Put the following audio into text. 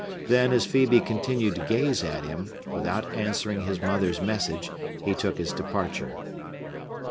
Then as Phœbe continued to gaze at him, without answering his mother's message, he took his departure.